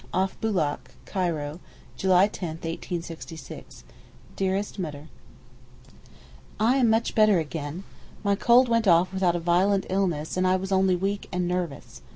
OFF BOULAK, CAIRO, July 10, 1866. DEAREST MUTTER, I am much better again. My cold went off without a violent illness and I was only weak and nervous.